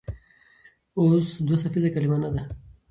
اوس دوه څپیزه کلمه نه ده.